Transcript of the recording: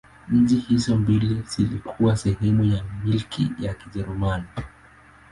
Nchi hizo mbili zilikuwa sehemu ya Milki ya Kijerumani.